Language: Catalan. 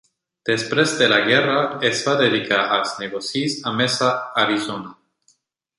Després de la guerra, es va dedicar als negocis a Mesa, Arizona.